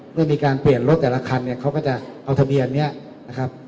เมื่อมีการเปลี่ยนรถแต่ละคันเนี่ยเขาก็จะเอาทะเบียนนี้นะครับ